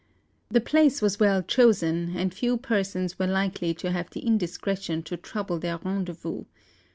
The place was well chosen, and few persons were likely to have the indiscretion to trouble their rendezvous.